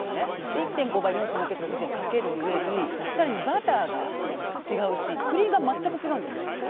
１．５倍、４８６０円のかける、上にバターが違うし栗が全く違うんですよ。